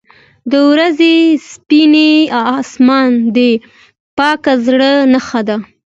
• د ورځې سپین آسمان د پاک زړه نښه ده.